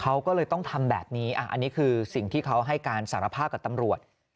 เขาก็เลยต้องทำแบบนี้อันนี้คือสิ่งที่เขาให้การสารภาพกับตำรวจ